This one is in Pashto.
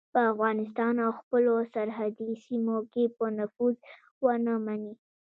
په افغانستان او خپلو سرحدي سیمو کې به نفوذ ونه مني.